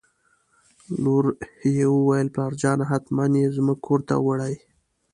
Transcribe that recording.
لور یې وویل: پلارجانه حتماً یې زموږ کور ته وړي.